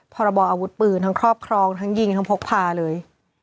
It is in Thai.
พรบออาวุธปืนทั้งครอบครองทั้งยิงทั้งพกพาเลย